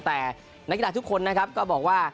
แต่นักยกฎาทุกคนก็บอกว่า